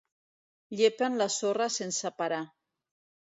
Llepen la sorra sense parar.